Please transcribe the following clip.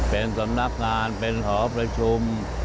เป็นสำนักงานเป็นหอประชุม